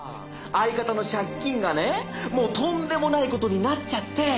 相方の借金がねもうとんでもない事になっちゃって。